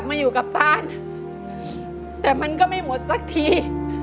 โอดทนนะหมดหนี้